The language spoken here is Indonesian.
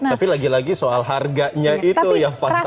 tapi lagi lagi soal harganya itu yang fantastis